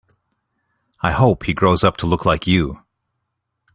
I hope he grows up to look like you.